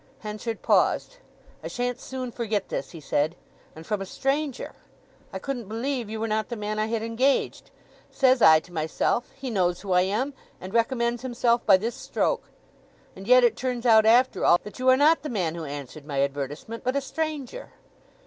Henchard paused. "I shan't soon forget this," he said. "And from a stranger!... I couldn't believe you were not the man I had engaged! Says I to myself, 'He knows who I am, and recommends himself by this stroke.' And yet it turns out, after all, that you are not the man who answered my advertisement, but a stranger!"